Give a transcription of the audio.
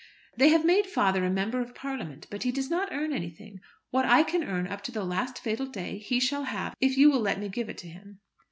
"They have made father a Member of Parliament, but he does not earn anything. What I can earn up to the last fatal day he shall have, if you will let me give it to him."